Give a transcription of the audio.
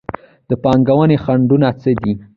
د پانګونې خنډونه څه دي؟